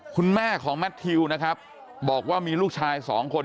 คุณแม่ของแมททิวนะครับบอกว่ามีลูกชายสองคน